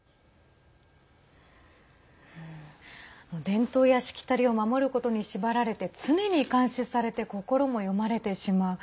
伝統やしきたりを守ることに縛られて常に監視されて心も読まれてしまう。